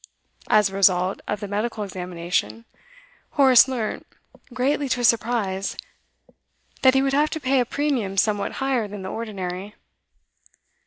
As a result of the medical examination, Horace learnt, greatly to his surprise, that he would have to pay a premium somewhat higher than the ordinary.